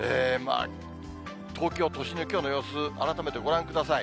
東京都心きょうの様子、改めてご覧ください。